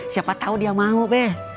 siapa tau dia mau be